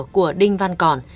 của đinh văn còn